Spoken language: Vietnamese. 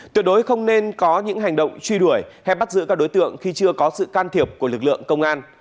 tuyệt đối không nên có những hành động truy đuổi hay bắt giữ các đối tượng khi chưa có sự can thiệp của lực lượng công an